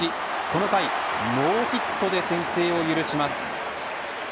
この回ノーヒットで先制を許します。